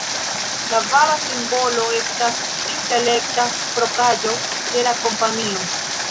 La vara simbolo estas intelekta propraĵo de la kompanio.